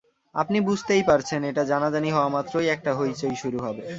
আপনি বুঝতেই পারছেন, এটা জানাজানি হওয়ামাত্রই একটা হৈচৈ শুরু হবে।